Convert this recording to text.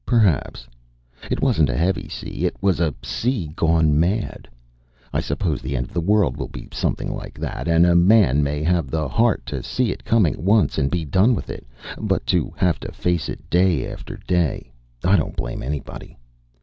Perhaps! It wasn't a heavy sea it was a sea gone mad! I suppose the end of the world will be something like that; and a man may have the heart to see it coming once and be done with it but to have to face it day after day I don't blame anybody.